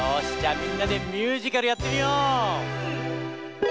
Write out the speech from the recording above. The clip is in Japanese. みんなでミュージカルやってみよう！